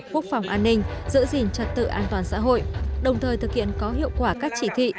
quốc phòng an ninh giữ gìn trật tự an toàn xã hội đồng thời thực hiện có hiệu quả các chỉ thị